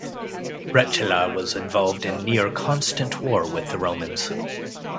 Rechila was involved in near constant war with the Romans.